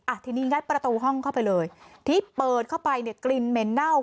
ทีนี้งัดประตูห้องเข้าไปเลยที่เปิดเข้าไปเนี่ยกลิ่นเหม็นเน่า